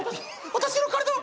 私の体は？